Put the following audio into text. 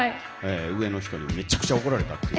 上の人にめちゃくちゃ怒られた。